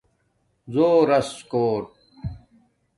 زݸرس کوٹ